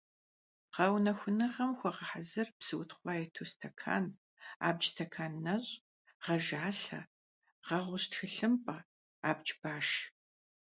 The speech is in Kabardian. Гъэунэхуныгъэм хуэгъэхьэзыр псы утхъуа иту стэкан, абдж стэкан нэщӀ, гъэжалъэ, гъэгъущ тхылъымпӀэ, абдж баш.